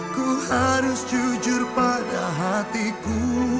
aku harus jujur pada hatiku